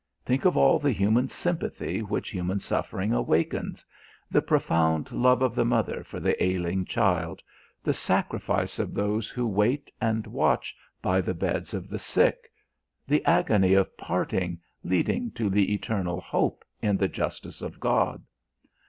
Think of all the human sympathy which human suffering awakens the profound love of the mother for the ailing child, the sacrifice of those who wait and watch by the beds of the sick, the agony of parting leading to the eternal hope in the justice of God.